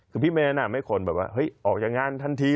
คือพี่แม่แนะนำให้คนแบบว่าออกจากงานทันที